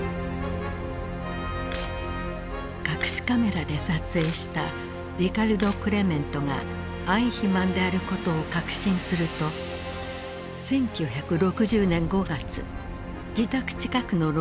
隠しカメラで撮影したリカルド・クレメントがアイヒマンであることを確信すると１９６０年５月自宅近くの路上で誘拐し監禁。